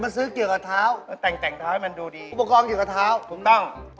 ซืมมาซื้อเกี่ยวกับเท้า